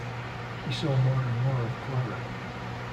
He saw more and more of Clara.